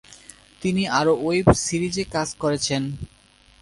তিনি আরো ওয়েব সিরিজে কাজ করেছেন।